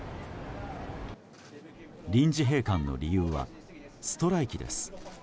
臨時閉館の理由はストライキです。